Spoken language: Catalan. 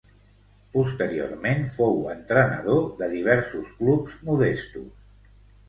Posteriorment fou entrenador de diversos clubs modestos.